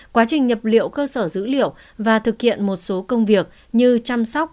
quá trình nhập liệu cơ sở dữ liệu và thực hiện một số công việc như chăm sóc